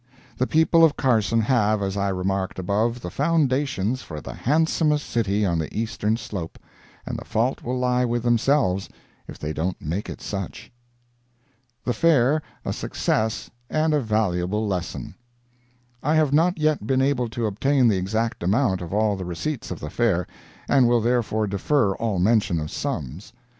The people of Carson have, as I remarked above, the foundations for the handsomest city on the Eastern Slope, and the fault will lie with themselves if they don't make it such. THE FAIR A SUCCESS AND A VALUABLE LESSON I have not yet been able to obtain the exact amount of all the receipts of the Fair, and will therefore defer all mention of sums.